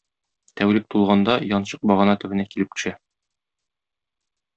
Тәүлек тулганда, янчык багана төбенә килеп төшә.